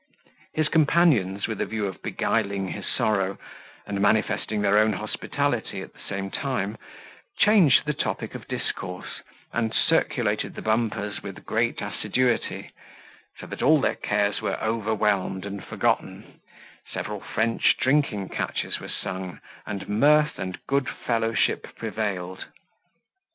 His companions, with a view of beguiling his sorrow, and manifesting their own hospitality at the same time, changed the topic of discourse, and circulated the bumpers with great assiduity; so that all their cares were overwhelmed and forgotten, several French drinking catches were sung, and mirth and good fellowship prevailed.